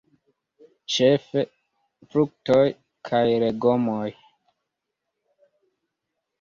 Ĉefe fruktoj kaj legomoj.